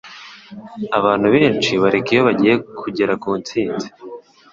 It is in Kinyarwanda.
Abantu benshi bareka iyo bagiye kugera ku ntsinzi.